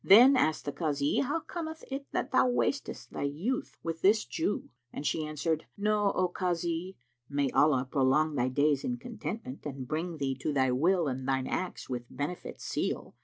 Then asked the Kazi, "How cometh it that thou wastest thy youth with this Jew?" And she answered, "Know, O Kazi (may Allah prolong thy days in contentment and bring thee to thy will and thine acts with benefits seal!)